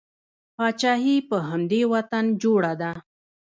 پاچاهي په همدې وطن جوړه ده.